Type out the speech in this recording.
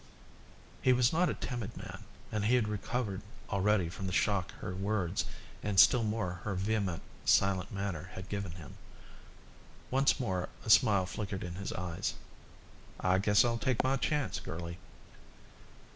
He was not a timid man and he had recovered already from the shock her words, and still more her vehement, silent manner, had given him. Once more a smile flickered in his eyes. "I guess I'll take my chance, girlie."